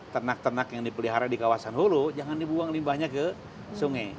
ternak ternak yang dipelihara di kawasan hulu jangan dibuang limbahnya ke sungai